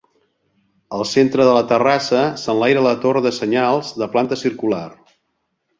Al centre de la terrassa s'enlaira la torre de senyals, de planta circular.